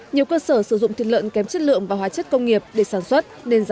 nhiều cơ sở sử dụng thịt lợn kém chất lượng và hóa chất công nghiệp để sản xuất